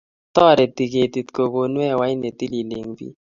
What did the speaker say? Toreti kertii kokonuu hewait ne tilil eng biik.